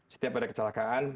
setiap ada kecelakaan